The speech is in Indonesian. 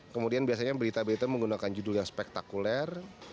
kemudian biasanya berita berita menggunakan judul yang spektakuler